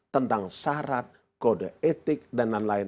tentang syarat kode etik dan lain lain